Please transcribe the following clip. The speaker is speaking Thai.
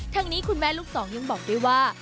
ทางนี้คุณแม่ลูกสองยังบอกด้วยว่า